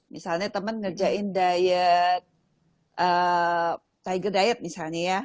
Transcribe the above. misalnya teman ngerjain diet tiger diet misalnya ya